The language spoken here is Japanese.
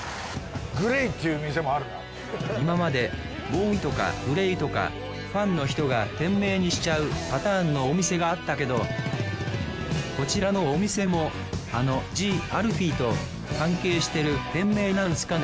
今までＢＯＯＷＹとかＧＬＡＹとかファンの人が店名にしちゃうパターンのお店があったけどこちらのお店もあのＴＨＥＡＬＦＥＥと関係してる店名なんすかね？